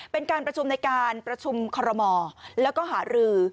เป็นการประชุมในการประชุมคอรมอแล้วก็หารือ